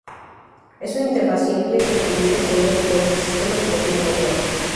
Es una interfaz simple que permite acceder a diferentes sistemas de la misma manera.